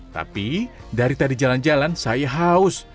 tapi dari tadi jalan jalan saya haus